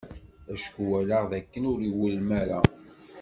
Acku walaɣ d akken ur iwulem ara.